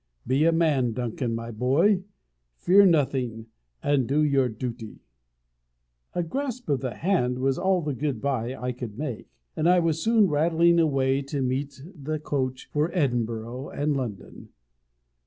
Be a man, Duncan, my boy. Fear nothing, and do your duty." A grasp of the hand was all the good bye I could make; and I was soon rattling away to meet the coach _for Edinburgh and London.